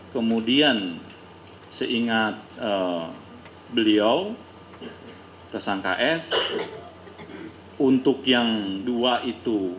kemudian seingat beliau tersangka s untuk yang dua itu